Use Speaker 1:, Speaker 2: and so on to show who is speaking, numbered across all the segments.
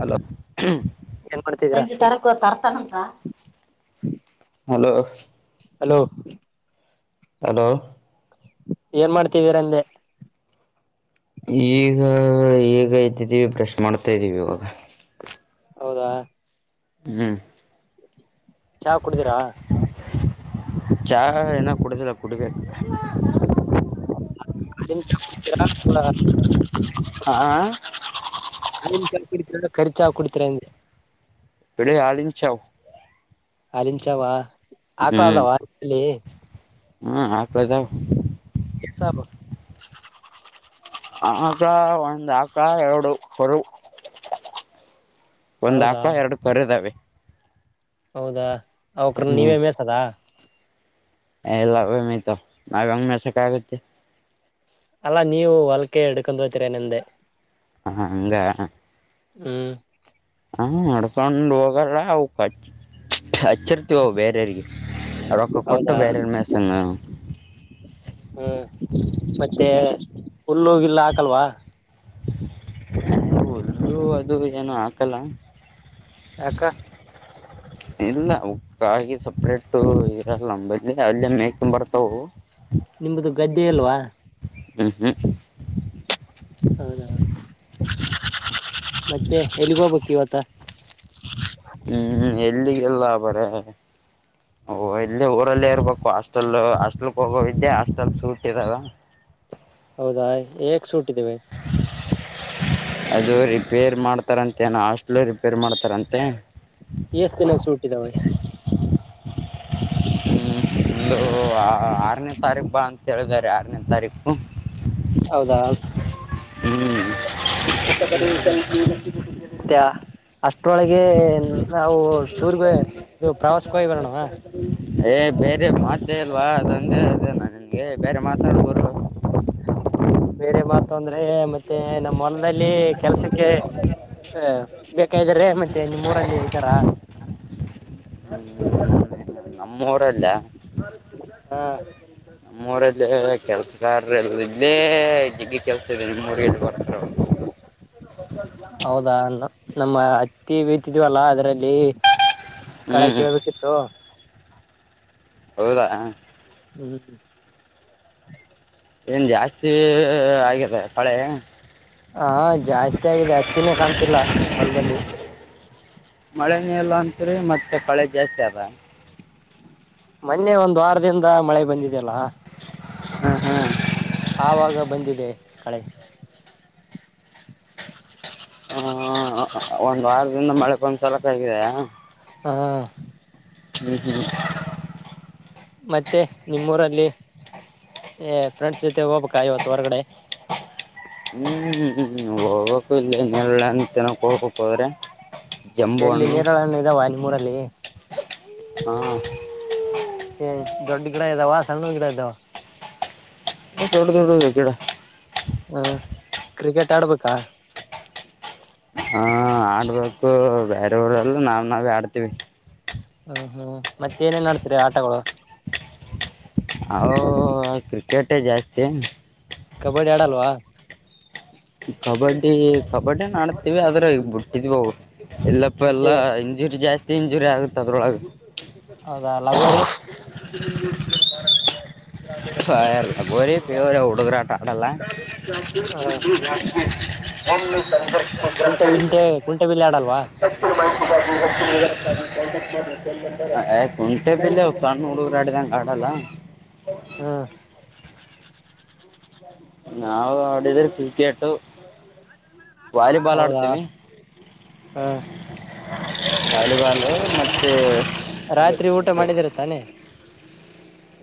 Speaker 1: hello
Speaker 2: ಏನ್ ಮಾಡ್ತಿದೀರಾ
Speaker 1: ಹಚ ತರಕ್ಕ ತರ್ತಣಂತ
Speaker 2: ಹ್ಮ
Speaker 1: ಹಲೋ
Speaker 2: ಹಲೋ
Speaker 1: ಹಲೋ
Speaker 2: ಏನ್ ಮಾಡ್ತೀವಿ ರಂದೆ
Speaker 1: ಈಗ ಈಗ ಇದ್ದಿದ್ದೀವಿ ಬ್ರಷ್ ಮಾಡ್ತಾ ಇದ್ದೀವಿ ಇವಾಗ
Speaker 2: ಹೌದಾ
Speaker 1: ಹ್ಮ್
Speaker 2: ಚಾ ಕುಡ್ದಿರಾ
Speaker 1: ಚಾ ಏನ ಕುಡುದಿಲ್ಲ ಕುಡಿಬೇಕ
Speaker 2: ಅದನ್ ಚಾ ಕುಡ್ತೀರಾ ತಥಡ
Speaker 1: ಹಾ
Speaker 2: ಅದ ಚ ಕುಡತಿರ ಖರ್ಚಾ ಕುಡತೀರಾಗೆ
Speaker 1: ಎಡ ಹಳಚಾವ
Speaker 2: ಅಲ್ಲಿನ್ಚಾವ ಹಾಕಳ
Speaker 1: ಹ್ಮ್
Speaker 2: ಅದವಾ ಅಲ್ಲಿ
Speaker 1: ಹ್ಮ್ ಹಾಕ್ದಾವ
Speaker 2: ಹಸಬ
Speaker 1: ಆಕ್ಕ ಒಂದ್ ಅಕ್ಕ ಎರಡು ಹೊರು ಒಂದ್
Speaker 2: ಹೌದಾ
Speaker 1: ಹಾಕ ಎರಡು ಕರದಾವೆ
Speaker 2: ಹೌದಾ ಅವಕ್ರ ನೀವೇ ಮೇಸದ
Speaker 1: ಹಲ್ಲಭಮಿತ ಆಂಗ್ ಮಸ ಕಗ
Speaker 2: ಅಲ್ಲಾ ನೀವು ಹೊಲ್ಕೆ ಹಿಡ್ಕೊಂಡು ಹೋತೀರಾ ನಿಂದೆ
Speaker 1: ಹ ಹಂಗ
Speaker 2: ಹ್ಮ್
Speaker 1: ಹಾ ಅಡುಕೊಂಡುವೋಗ ಹಕ ಹಚ್ಚರ್ತಗವು ಬೇರೆರ್ಗೆ ಅ ಒಕ್ಕ ಕೊಟ್ಟ
Speaker 2: ಹೌದಾ
Speaker 1: ಬೇರೆರ್ ಮೇಸಂಗ
Speaker 2: ಹ್ಮ್ ಮತ್ತೆ ಹುಲ್ಲೋಗಿಲ್ಲ ಹಾಕಲ್ವಾ
Speaker 1: ಒಲ್ಲೂ ಅದು ಏನು ಹಾಕಲ್ಲ
Speaker 2: ಅಕ್ಕ
Speaker 1: ಇಲ್ಲ ಕಾಗಿಿ ಸಪ್ರೇಟ್ ಇರಲ್ಲ ನದ ಅಲ್ಲ ಮೇೇಕ ತ ಬರ್ತವು
Speaker 2: ನಿಮ್ದ ಗದ್ದೆ ಅಲ್ವಾ
Speaker 1: ಹ್ಮ್ ಹ್ಮ್
Speaker 2: ಹೌದಾ ಮತ್ತೆ ಎಲ್ಲಿಗ ಹೋಗ್ಬೇಕು ಇವತ್ತ
Speaker 1: ಇಲ್ಲಿಗೆಲ್ಲ ಬರ ಓ ಇಲ್ಲಿ ಊರಲ್ಲೇ ಇರ್ಬೇಕು ಹಾಸ್ಟೆಲ್ ಹಾಸ್ಟೆಲ್ಕ್ ಹೋಗೋವಿದ್ಯಾ ಹಾಸ್ಟೆಲ್ ಸೂಟ್ ಇದಾವ
Speaker 2: [inaudible] ಹೌದಾ ಹಏಕ್ ಸೂಟ್್ದೇವೆ
Speaker 1: ಅದು ರಿಪೇರ್ ಮಾಡ್ತಾರಂತೆಏನ ಹಾಸ್ಟ್ಲ್ ರಿಪೇರ್ ಮಾಡ್ತಾರಂತೆ
Speaker 2: ಎಷ್ಟ ತಿಿನಕ್ಕೆ ಸೂಟ್ಟಿದಾವ [inaudible]
Speaker 1: ಹ್ಮ್ ಒಂದು ಆರನೇ ತಾರೀಕು ಬಾ ಅಂತ ಹೇಳಿದಿದ್ದಾರೆ ಆರನೇ ತಾರೀಕು
Speaker 2: ಹೌದಾ ಹ್ಮ್ ಹ್ಮ್ ಮತ್ತೆ
Speaker 1: ಹ್ಮ್ಟಟ್ಟ
Speaker 2: ಅಷ್ಟ್ರೊಳಗೆ ನಾವು ಟೂರ್ಗೆ ಇದು ಪ್ರವಾಸಗೋಗ ಬರೋಣವಾ
Speaker 1: ಏ್ ಬೇರೆ ಮಾತ ಇಲ್ವಾ ಅದಂದ ಅ ನ ನಿನ್ಗೆ ಬೇರೆ ಮಾತಾಡ್ರು
Speaker 2: ಬೇರೆ ಮಾತು ಅಂದ್ರೆ ಮತ್ತೆ ನಮ್ಮ ಹೊೊಲದಲ್ಲಿ ಕೆಲ್ಸಕ್ಕೆ ಹ ಬೇಕ ಇದ್ದಾರೆ ಮತ್ತೆ ನಿಮ್ಮ್ೂರಲ್ಲಿ ಇದ್ದಾರಾ
Speaker 1: ಹ್ಮ ನಮ್ಮ ಊರಲ್ಲ
Speaker 2: ಹ
Speaker 1: ನಮ್ಮ ೂರಲ್ಲಿ ಕೆಲ್ಸಗಾರ್ ಎಲ್ಲ ಇದೇ ಜಗ ಕೆಲ್ಸ ಇ ಮುಡದು ಕೊ
Speaker 2: ಹೌದಾ ನಮ್ಮ ಹತ್ತಿ ಬೀತಿದವಲ್ಲಾ ಅದರಲ್ಲಿ ಕಡೆ
Speaker 1: ಹ್ಞೂ
Speaker 2: ಕಳ್ಬೇಕಿತ್ತು
Speaker 1: ಹೌದಾ
Speaker 2: ಹ್ಮ್
Speaker 1: ಏನ್ ಜಾಸ್ತಿ ಆಗಿದೆ ಪಳೆ
Speaker 2: ಹಾ ಜಾಸ್ತಿ ಆಗಿದೆ ಹತ್ತಿನೇ ಕಾಣ್ತಿಲ್ಲ ಹೊಲದಲ್ಲಿ
Speaker 1: ಮಳೆ ನೀಲ್ಲ ಅಂತರಿ ಮತ್ತೆ ಪಳೆ ಜಾಸ್ತಿ ಅದ
Speaker 2: ಮೊನ್ನೆ ಒಂದ್ ವಾರದಿಂದ ಮಳೆ ಬಂದಿದೆಯಲ್ಲ
Speaker 1: ಹ್ಮ್ ಹ್ಮ್
Speaker 2: ಆವಾಗ ಬಂದಿದೆ ಕಳೆ
Speaker 1: ಹ ಒಂದ್ ವಾರದಿಂದ ಮಳೆ ಬಂದ್ ಸಲಕ ಆಗಿದೆಯಾ
Speaker 2: ಹಾ
Speaker 1: ಹ
Speaker 2: ಮತ್ತೆ ನಿಮ್ಮೂರಲ್ಲಿ ಏ ಫ್ರೆಂಡ್ಸ್ ಜೊತೆ ಹೋಗ್ಬೇಕ ಇವತ್ತು ಹೊರಗಡೆ
Speaker 1: ಹ್ಮ್್ಮ್ ಹೋಗ್ಬೇಕು ಇಲ್ಲ ನ್ನಲ್ಲ ಅ ತನಕ್ ಹೋಗ್ಬೇಕಕ್ ಅವ್ರೆ
Speaker 2: ಎಲ್ಲಿ ನೀರಳ್ಣ ಇದಾವ ನಿಮ್ಮೂರಲ್ಲಿ
Speaker 1: ಹಾಂ
Speaker 2: ಏ ದೊಡ್ಡ ಗಿಡ ಇದ್ದಾವ ಸಣ್ಣ ಗಿಡ ಇದ್ದಾವ
Speaker 1: ದಡ ದಡದ ಕಡ
Speaker 2: ಹಾ ಕ್ರಿಕೆಟ್ ಆಡ್ಬೇಕಾ
Speaker 1: ಹಾ ಆಡ್ಬೇಕು ಬೇರೆವರೆಲ್ಲ ನಾವ್ ನಾವೇ ಆಡ್ತೀವಿ
Speaker 2: ಹ್ಮ್ ಹ್ಮ್ ಮತ್ತೆ ಏನೇನ್ ಮಾಡಡ್ತೀರಿ ಆಟಗಳು
Speaker 1: ಹ ಕ್ರಿಕೆಟೇ ಜಾಸ್ತಿ
Speaker 2: ಕಬಡ್ಡಿ ಆಡಲ್ವಾ
Speaker 1: ಕಬಡ್ಡಿ ಕಬಡ್ಡಿಾಡ್ತೀವಿ ಆದ್ರೆ ಈ ಬಿಟ್ಟಿದ್ವ ಇಲ್ಲಪ್ಪ
Speaker 2: ಮತ್ತೆ
Speaker 1: ಎಲ್ಲಾ ಇಂಜುರಿ ಜಾಸ್ತಿ ಇಂಜುರಿ ಆಗುತ್ತ ಅದ್ರೊಳಗೆ
Speaker 2: ಹೌದಾ ಲಗೋರಿ
Speaker 1: ಹ್ಮ ಹರ್ ಬರಿ ಪವರಿ ಹಡುಗರಾಟ ಆಟಲ್ಲ
Speaker 2: ಹಾ
Speaker 1: ಒಂದು ಸಂಂಬರ್
Speaker 2: ಕುಂಟೆ ಬಿಂಟೆ ಕುಂಟೆ ಬಿಲ್ಲೆ ಆಡಲ್ವಾ [unintelligible]
Speaker 1: ಕುಂಟೆ ಬೆಲೆ ಸಣ್ಣು ಹುಡುಗರು ಆಡ್ಗಂ ಆಡಲ್ಲ
Speaker 2: ಹಾ
Speaker 1: ನಾವವು ಆಡಿದ್ರ ಕರ್ಕಟು ವಾಲಿಬಾಲ್
Speaker 2: ಹೌದಾ
Speaker 1: ಆಡ್ತೀವಿ
Speaker 2: ಹ್ಮ್
Speaker 1: ವಾಲಿಬಾಲ್ ಮೆ
Speaker 2: ರಾತ್ರಿ ಊಟ ಮಾಡಿದಿರ ತಾನೆ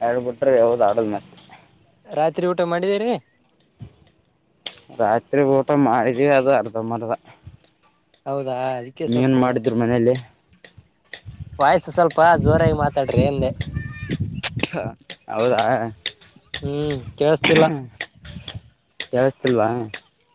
Speaker 1: ಹೇಳ್ಬಿಟ್ರಿ ಹೌದ್ ಆಡುದ್ ಮತ್ತೆ
Speaker 2: ರಾತ್ರಿ ಊಟ ಮಾಡಿದೀರಿ
Speaker 1: ರಾತ್ರಿ ಬೂಟ ಮಾಳ ಅದು ಅರ್ಧ ಮರ್ದ
Speaker 2: ಹೌದಾ ಅದಕ್ಕೆ
Speaker 1: ಏನ್
Speaker 2: ಸ್ವಲ್ಪ
Speaker 1: ಮಾಡಿದ್ರು ಮನೇಲಿ
Speaker 2: ವಾಯಸು ಸ್ವಲ್ಪ ಜೋರಾಗಿ ಮಾತಾಡ್ರಿ ಎಂದೆ
Speaker 1: ಹೌದಾ
Speaker 2: ಹ್ಮ್ ಕೇಳಸ್ತಿಲ್ಲ
Speaker 1: ಯತಲ್ವಾ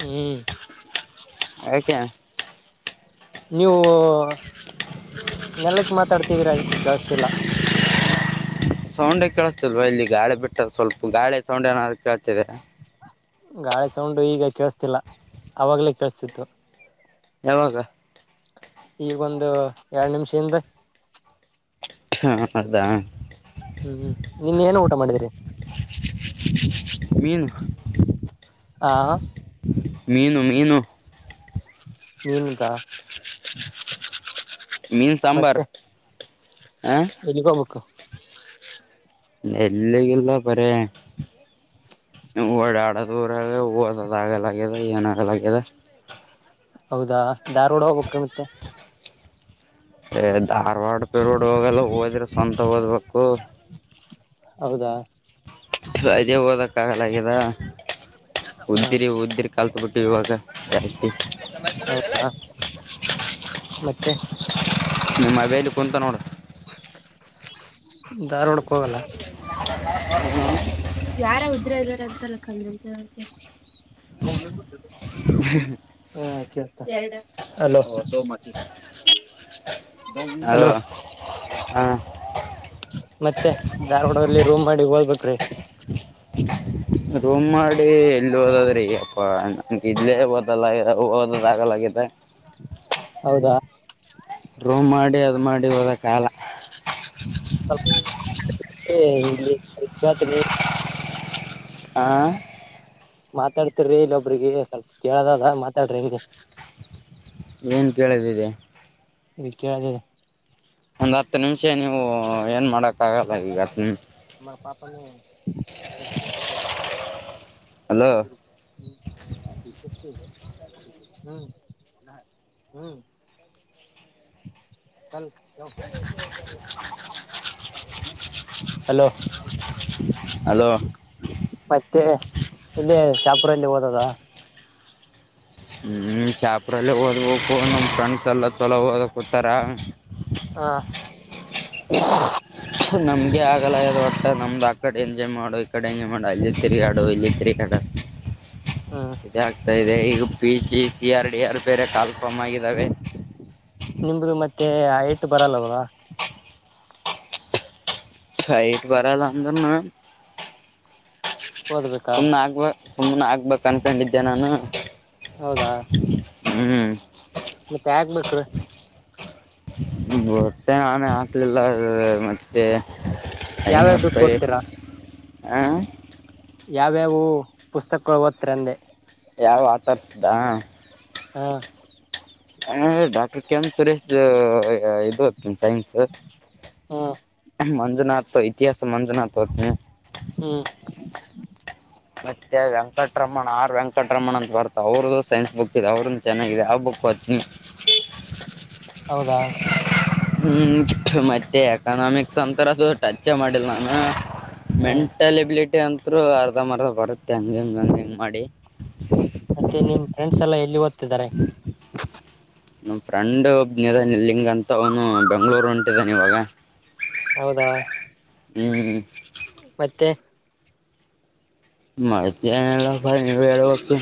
Speaker 2: ಹ್ಮ್
Speaker 1: ಕ್ಕೆೆ
Speaker 2: ನೀವು ನೆಲಕ್ ಮಾತಾಡ್ತಿದೀರಾ ಅದಕ್ಕೆ ಕಳ್ಸ್ತಿಲ್ಲ
Speaker 1: ಸೌಂಡೆ ಕೇಳಿಸತಲ್ವಾ ಇಲ್ಲಿ ಗಾಳಿ ಬಿಟ್ಟದ ಸ್ವಲ್ಪ ಗಾಳಿ ಸೌಂಡೆ ಏನಾದ ಕೇಳ್ತಿದಾ
Speaker 2: ಗಾಳಿ ಸೌಂಡು ಈಗ ಕೇಳಸ್ತಿಲ್ಲ ಅವಾಗಲೇ ಕೇಳ್ಸ್ತಿತ್ತು
Speaker 1: ಯಾವಾಗ
Speaker 2: ಈಗೊಂದು ಎರಡ್ ನಿಮಿಷ ಇಿಂದ
Speaker 1: ಹಾ ಅದಾ
Speaker 2: ಹ್ಮ್್ಮ್ ನೀನ್ ಏನ ಊಟ ಮಾಡಿದಿರಿ
Speaker 1: ಮೀನು ಮೀನು ಮೀನು
Speaker 2: ನಿನ್ದಾ
Speaker 1: ಚಿಕ್ ಚಿಕ್ ಮೀನ್ ಸಾಂಬಾರ
Speaker 2: ಮತ್ತೆ
Speaker 1: ಹಾಂ
Speaker 2: ಎಲ್ಲಿಗ್ ಹೋಗ್ಬೇಕು
Speaker 1: ಎಲ್ಲಗಲ್ಲ ಪರ ಒಡಡ ದೂರ ಹದ ತಾಗ ಲಾಗ ಹೊ ಜನಾಗ ಲಾಗದ
Speaker 2: ಹೌದಾ ದಾರ್ೋಡ ಹೋಗಬ್ರ ಮತ್ತೆ
Speaker 1: ಧಾರ್ವಾಡ್ ಪಿರ್ವರ್ಡ್ ಹೋಗೆಲ್ಲ ೋದ್ರೆ ಸ್ವಂತ ಓದ್ಬೇಕು
Speaker 2: ಹೌದಾ
Speaker 1: ರಜೆ ಓದಕ್ ಆಗಲಿದ
Speaker 2: ಹ್ಮ
Speaker 1: ಉದ್ದಿರಿ ಉದ್ದಿರ್ ಕಾಲ್ಕ ಬಿಟ್ಟು ಇವಾಗ
Speaker 2: ಹೌದಾ ಮತ್ತೆ
Speaker 1: ನಿಮ್ಮ ಅವೈಲ್ ಕುಂತನ ನೋಡ
Speaker 2: ಧಾರವಾಡ ಕೆ ಹೋಗಲ್ಲ ಯಾರ ಉದ್ರ ಇದಾರೆ ಅಂತಲ್ಲ ಕ ಊರು ಅವ್ರು ಹ [unintelligible] ಅಲೋ
Speaker 1: ಅದ ಹಾ
Speaker 2: ಮತ್ತೆ ಧಾರವಾಡಲ್ಲಿ ರೂಮ್ ಮಾಡಿ ಹಓದಬೇಕ್ರೀ
Speaker 1: ರೂಮ್ ಮಾಡಿ ಎಲ್ಲಿ ಹೋದಾದ್ರಿ ಇತ್ತ ಜಾಗ ಲಗಿತ
Speaker 2: ಹೌದಾ
Speaker 1: ರೂಮ್ ಮಾಡಿ ಅದ್ ಮಾಡಿ ಹದಕ್ಕಾಲ
Speaker 2: ಸ್ವಲ್ಪ ಇಲ್ಲಿ ಪಶ್ವತಿ ನೀ
Speaker 1: ಹ
Speaker 2: ಮಾತಾಡ್ತಿರಿ ಇಲ್ಲೊಬ್ರಿಗೆ ಸ್ವಲ್ಪ ಕೇಳದದ ಮಾತಾಡ್ರಿ ಹಂಗೆ
Speaker 1: ಏನ್ ಕೇಳದಿದೆ
Speaker 2: ಈ ಕದಲ್ಲ
Speaker 1: ಒಂದ್ ಹತ್ತು ನಿಮಿಷ ನೀವು ಏನ್ ಮಾಡಕ್ ಆಗಲ್ಲ ಈಗತ್ ಹತ್ತು
Speaker 2: ಪಾಪ್
Speaker 1: ಹಲೋ
Speaker 2: [unintelligible] ಹ್ಮ್ ಹ್ಮ್ ಹಾಲ್ ಹಲೋ
Speaker 1: ಹೆಲೋ
Speaker 2: ಮತ್ತೆ ಇಲ್ಲಿ ಶಾಪುರಲ್ಲಿ ಓದದ
Speaker 1: ಹ್ಮ ಶಾಪೂರ ಅಲ್ಲಿ ಓದಬೇಕು ನಮ್ಮ ಫ್ರೆಂಡ್ಸ್ ಎಲ್ಲ ಚಲೋ ಓದಕೂತಾರ
Speaker 2: ಹ
Speaker 1: ಹಾ [unintelligible] ನಮ್ಗೆ ಆಗಲ್ಲ ಆಗ್ದ್ಯ ಅಟ್ಟ ನಮ್ದು ಆಕಡೆ ಎಂಜಾಯ್ ಮಾಡು ಈ ಕಡೆ ಎಂಜಾಯ್ ಮಾಡು ಅಲ್ಲಿ ತಿರುಗಾಡು ಇಲ್ಲಿ ತಿರುಗಾಡು
Speaker 2: ಹಾ
Speaker 1: ಇದಾಗ್ತಾ ಇದೆ ಈಗ P C C R D R ಬೇರೆ ಕಾಲ್ಫಮ್ ಆಗಿದ್ದಾವೆ
Speaker 2: ನಿಮ್ದು ಮತ್ತೆ ಹೈಟ್ ಬರಲ್ಲ ಅಲ
Speaker 1: ಹೈಟ್ ಬರಲ್ಲ ಅಂದ್ರನು
Speaker 2: ಓದ್ಬೇಕಾ
Speaker 1: ಸುಮ್ನೆ ಆಗ್ಬೇಕ್ ಸುಮ್ನೆ ಆಗ್ಬೇಕಕ್ ಅನ್ಕೊಂಡಿದ್ದೆ ನಾನು
Speaker 2: ಹೌದಾ
Speaker 1: ಹ್ಮ್
Speaker 2: ಮತ್ತೆ ಹಾಕ್ಬೇಕು ರಿ
Speaker 1: ಬುಟ್ಟೆ ನಾನೇ ಹಾಕ್ಲಿಲ್ಲ ಮತ್ತೆ
Speaker 2: ಯಾವ್ಯಾವ ಬುಕ್ ಓದ್ತೀರಾ
Speaker 1: ಹ
Speaker 2: ಯಾವ್ಯಾವ ಪುಸ್ತಕಗಳು ಓದ್ತರಿ ಅಂದೆ
Speaker 1: ಯಾವ ಆಥರ್ ದ
Speaker 2: ಹಾ
Speaker 1: ಹ ಡಾಕ್ಟರ್ ಕೆ ಎಂ ಸುರೇಶ್ ಇದು ಸೈನ್ಸ್
Speaker 2: ಹಾ
Speaker 1: ಮಂಜುನಾಥ ಇತಿಹಾಸ ಮಂಜುನಾಥ ಓದ್ತೀನಿ
Speaker 2: ಹ್ಮ್
Speaker 1: ಮತ್ತೆ ವೆಂಕಟರಮಣ ಆರ್ ವೆಂಕಟರಮಣ ಅಂತ ಬರ್ತ ಅವ್ರರು್ದು ಸೈನ್ಸ್ ಬುಕ್ ಇದೆ ಅವರು ಚೆನ್ನಾಗಿದೆ ಆ ಬುಕ್ ಗೊತ್ತಿಲ್ಲ
Speaker 2: ಹೌದಾ
Speaker 1: ಹ್ಮ್ ಮತ್ತೆ ಎಕನಾಮಿಕ್ಸ್ ಅಂತರ ಅದು ಟಚ್ ಮಾಡಲ್ ನಾನು
Speaker 2: ಹ್ಮ್
Speaker 1: ಮೆಂಟಲ್ ಎಬಿಲಿಟಿ ಅಂತರು ಅರ್ಧ ಮರ್ಧ ಬರುತ್ತೆ ಹಂಗ ಹಂಗ ಹಂಗ ಹೆಂಗ್ ಮಾಡಿ
Speaker 2: ಮತ್ತೆ ನಿಮ್ ಫ್ರೆಂಡ್ಸ್ ಎಲ್ಲ ಎಲ್ಲಿ ಓದ್ತಿದ್ದಾರೆ
Speaker 1: ನಮ್ಮ ಫ್ರೆಂಡ್ ಒಬ್ನ ಇಲ್ಲಿಂಗಂತ ಅವನು ಬೆಂಗ್ಳೂರು ಹೊಂಟಿದಾನ ಇವಾಗ
Speaker 2: ಹೌದಾ
Speaker 1: ಹ್ಮ
Speaker 2: ಮತ್ತೆ
Speaker 1: ಮತ್ತೇನು ಇಲ್ಲಪ ನೀವೇ ಹೇಳ್ಬೇಕು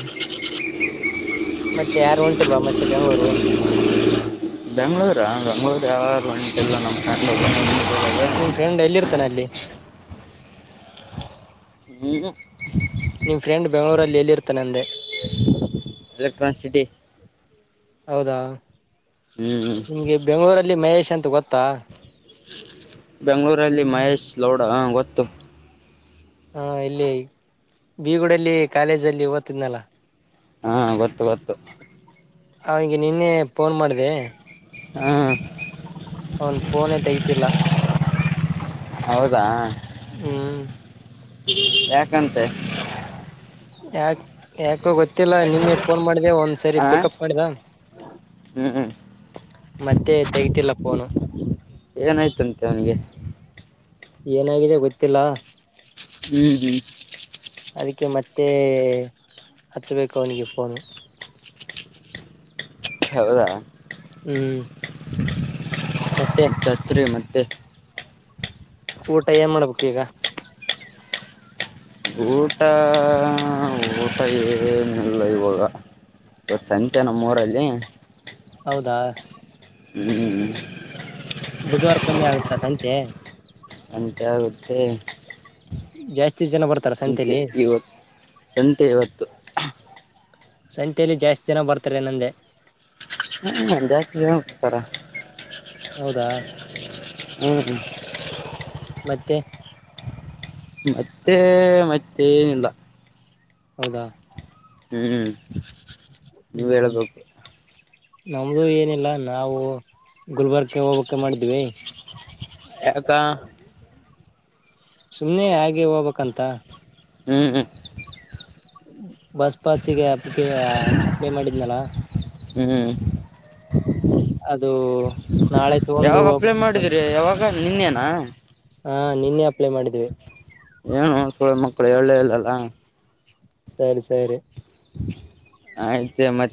Speaker 2: ಮತ್ತೆ ಯಾರು ಒಂಟಿಲ್ಲ ಮತ್ತೆ ಬೆಂಗ್ಳೂರು
Speaker 1: ಬೆಂಗ್ಳೂರ ಬೆಂಗ್ಗಳೂರು ಯಾವಾರು ಒಂಟಿಲ್ಲ ನಮ್ಮ ಬಂಗ್ಳೂ
Speaker 2: ನಿಮ್ ಫ್ರೆಂಡ್ ಎಲ್ಲಿ ಇರ್ತಾನ ಅಲ್ಲಿ
Speaker 1: ಹ್ಮ
Speaker 2: ನಿಮ್ ಫ್ರೆಂಡ್ ಬೆಂಗಳೂರಲ್ಲಿ ಎಲ್ಲಿ ಇರ್ತಾನ ಅಂದೆ
Speaker 1: ಎಲೆಕ್ಟ್ರಾನ್ ಸಿಟಿ
Speaker 2: ಹೌದಾ
Speaker 1: ಹ್ಮ್
Speaker 2: ನಿಮ್ಗೆ ಬೆಂಗಗಳೂರಲ್ಲಿ ಮಹೇಶ್ ಅಂತ ಗೊತ್ತಾ
Speaker 1: ಬೆಂಗಳೂರಲ್ಲಿ ಮಹೇಶ್ ಗೌಡ ಹ ಗೊತ್ತು
Speaker 2: ಹಾ ಇಲ್ಲಿ ಬೀಗೂಡಲ್ಲಿ ಕಾಲೇಜಲ್ಲಿ ಓದುತ್ತಿದ್ದ ಅಲ್ಲ
Speaker 1: ಹಾ ಗೊತ್ತು ಗೊತ್ತು
Speaker 2: ಅವನ್ಿಗೆ ನಿನ್ನೆ ಫೋನ್ ಮಾಡ್ದ
Speaker 1: ಹಾ
Speaker 2: ಅವನ್ ಫೋನ್ ಗಟ್ಟಲ್ಲ
Speaker 1: ಹೌದಾ ಯಾಕಂತೆ
Speaker 2: ಯಾ ಯಾಕೋ ಗೊತ್ತಿಲ್ಲ ನಿನ್ನೆ ಫೋನ್ ಮಾಡಿ ಒಂದ್ಸರಿ
Speaker 1: ಆ
Speaker 2: ಪಿಕಪ್ ಮಾಡಿದಾ
Speaker 1: ಹ್ಞೂ
Speaker 2: ಮತ್ತೆ ತೆಗತಿಲ್ಲ ೋನು
Speaker 1: ಏನಾಯ್ತುಂತೆ ಅವನಿಗೆ
Speaker 2: ಏನಾಗಿದೆ ಗೊತ್ತಿಲ್ಲ
Speaker 1: ಹ್ಮ್ ಹ್ಮ್
Speaker 2: ಅದಕ್ಕೆ ಮತ್ತೆ ಹಚ್ಬೇಕು ಅವನಿಗೆ ಫೋನು
Speaker 1: ಹೌದಾ
Speaker 2: ಹ್ಮ್ ಮತ್ತೆ
Speaker 1: ಚಚ್ರಿ ಮತ್ತೆ
Speaker 2: ಊಟ ಏನ್ ಮಾಡ್ಬೇಕು ಈಗ
Speaker 1: ಗಊಟಾ ಗಊಟಾಯ ನಿಲ್ಲಯವಾಗ ಇ ಸಂಚ ನಮ್ಮ ಮೂೂರಲ್ಲಿ
Speaker 2: ಹೌದಾ
Speaker 1: ಹ್ಮ್್ಮ
Speaker 2: ಬುಧವಾರಕ್ಕೊಮ್ಮೆ ಆಗುತ್ತಾ ಸಂತೆ
Speaker 1: ಅಂತ ಆಗುತ್ತೆ
Speaker 2: ಜಾಸ್ತಿ ಜನ ಬರ್ತಾರ ಸಂತಲಿ
Speaker 1: ಎಂತೆ ಇವತ್ತು
Speaker 2: ಸಂತೆಯಲ್ಲಿ ಜಾಸ್ತಿ ದಿನ ಬರ್ತಾರೆ ನಂದೆ
Speaker 1: ಪರ
Speaker 2: ಹೌದಾ
Speaker 1: ಹ್ಮ್
Speaker 2: ಮತ್ತೆ
Speaker 1: ಮತ್ತೆ ಮತ್ತೆ ಏನಿಲ್ಲ
Speaker 2: ಹೌದಾ
Speaker 1: ಹ್ಮ್ ನೀವ್
Speaker 2: ಹ್ಮ್ ಹ್ಮ್
Speaker 1: ಹೇಬೇಕು
Speaker 2: ನಮ್ದು ಏನಿಲ್ಲ ನಾವು ಗುಲ್ಬರ್ಗ್ಗೆ ಹೋಗ್ಕ್ಕೆ ಮಾಡಿದೀವಿ
Speaker 1: ಹಕ್ಕ
Speaker 2: ಸುಮ್ನೆ ಹಾಗೆ ಹೋಗ್ಬೇಕಕ್ಂತ
Speaker 1: ಹ್ಮ್ ಹ್ಮ್
Speaker 2: ಬಸ್ ಪಸ್ಗೆ ಅಪ್ಲಿಕೆ ಅಪ್ಲೈ ಮಾಡಿದ್ನಲ
Speaker 1: ಹ್ಮ್
Speaker 2: ಅದು ನಾಳೆ ತಗೊಂಡು ಹಬಿ
Speaker 1: ನಿನ್ನೇನಾ
Speaker 2: ಹಾ ನಿನ್ನೆ ಅಪ್ಲೈ ಮಾಡಿದ್ವಿ
Speaker 1: ಕುಳಳ್ಳ ಇಲ್ಲಲ್ಲ
Speaker 2: ಸರಿ ಸರಿ
Speaker 1: ಆಯ್ತ ಮತ್ತೆ